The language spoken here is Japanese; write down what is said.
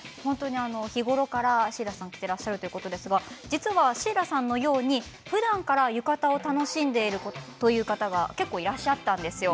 日頃からシーラさん着てらっしゃるということですがシーラさんのようにふだんから浴衣を楽しんでいるという方が結構いらっしゃいました。